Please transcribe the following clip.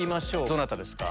どなたですか？